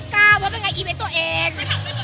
ว่าเป็นไงน่ะอีเว้นตัวเอง